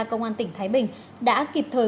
công an tỉnh thái bình đã kịp thời